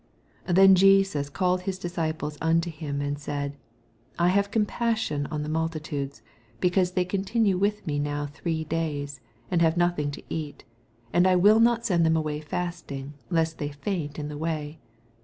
82 Then Jesus called his disoiptles unto him, and said, I have compassion on the multitude, because they con tinue with me now three days, and have nothing to eat : and I will not send them away fasting, lest they faint in the way.